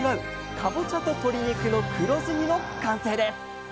かぼちゃと鶏肉の黒酢煮の完成です！